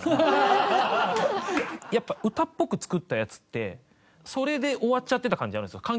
やっぱ歌っぽく作ったやつってそれで終わっちゃってた感じあるんですよ。